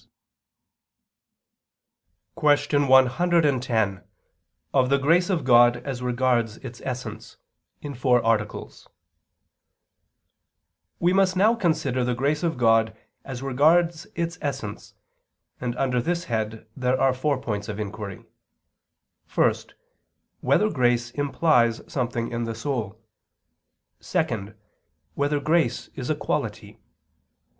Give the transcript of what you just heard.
________________________ QUESTION 110 OF THE GRACE OF GOD AS REGARDS ITS ESSENCE (In Four Articles) We must now consider the grace of God as regards its essence; and under this head there are four points of inquiry: (1) Whether grace implies something in the soul? (2) Whether grace is a quality?